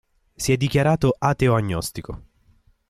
Si è dichiarato ateo agnostico.